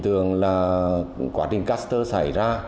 thường là quá trình caster xảy ra